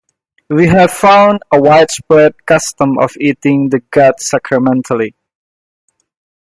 We have found a widespread custom of eating the god sacramentally.